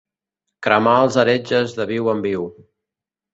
Cremar els heretges de viu en viu.